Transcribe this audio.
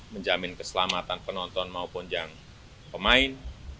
menjamin keselamatan penonton maupun yang pemain